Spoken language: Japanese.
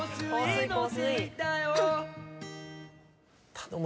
頼む。